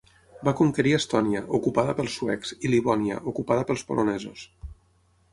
Va conquerir Estònia, ocupada pels suecs i Livònia, ocupada pels polonesos.